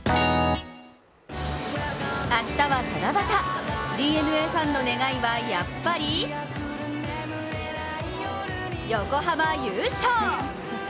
明日は七夕、ＤｅＮＡファンの願いはやっぱり横浜優勝。